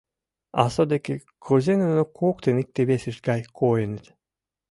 А содыки кузе нуно коктын икте-весышт гай койыныт!